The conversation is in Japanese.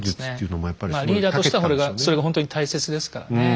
まあリーダーとしてはそれがほんとに大切ですからね。